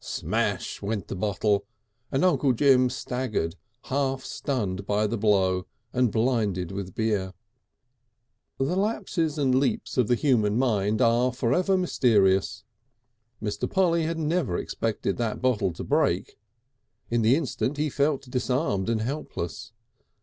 Smash went the bottle, and Uncle Jim staggered, half stunned by the blow and blinded with beer. The lapses and leaps of the human mind are for ever mysterious. Mr. Polly had never expected that bottle to break. In the instant he felt disarmed and helpless.